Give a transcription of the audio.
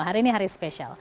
hari ini hari spesial